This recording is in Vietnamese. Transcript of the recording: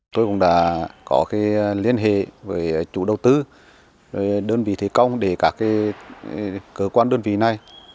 tôi cũng đã có liên hệ với chủ đầu tư đơn vị thế công để các cơ quan đơn vị này